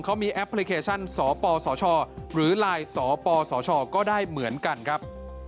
เขามีแอปพลิเคชันสปสชหรือไลน์สปสชก็ได้เหมือนกันครับ